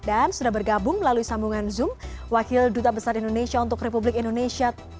dan sudah bergabung melalui sambungan zoom wakil duta besar indonesia untuk republik indonesia